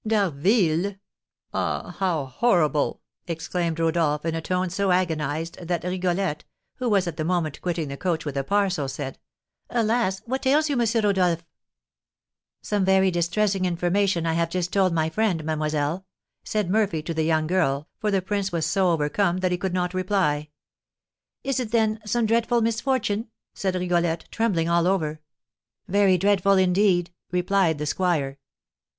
"D'Harville! Ah, how horrible!" exclaimed Rodolph, in a tone so agonised that Rigolette, who was at the moment quitting the coach with the parcels, said: "Alas! what ails you, M. Rodolph?" "Some very distressing information I have just told my friend, mademoiselle," said Murphy to the young girl, for the prince was so overcome that he could not reply. "Is it, then, some dreadful misfortune?" said Rigolette, trembling all over. "Very dreadful, indeed!" replied the squire.